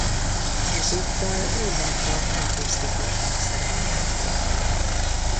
Ezúttal minden tag akusztikus hangszeren játszik.